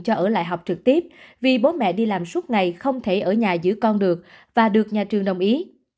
cho ở lại học trực tiếp vì bố mẹ đi làm suốt ngày không thể ở nhà giữ con được và được nhà trường đồng ý